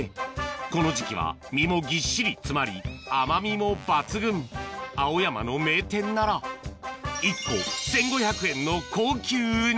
この時季は身もぎっしり詰まり甘みも抜群青山の名店なら１個１５００円の高級ウニ